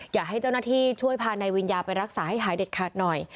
อยากให้เจ้าหน้าที่ช่วยพานายวิญญาไปรักษาให้หายเด็ดขาดหน่อย